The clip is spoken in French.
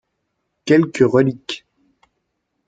Quelques reliques.